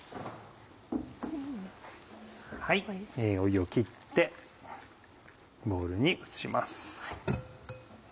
湯を切ってボウルに移します。